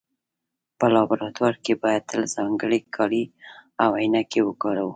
په لابراتوار کې باید تل ځانګړي کالي او عینکې وکاروو.